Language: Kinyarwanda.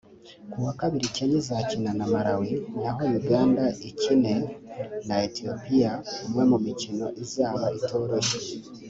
Kuwa kabiri Kenya izakina na Malawi naho Uganda ikine na Ethiopiya umwe mu mikino izaba itoroshye